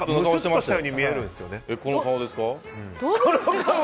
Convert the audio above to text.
この顔ですか？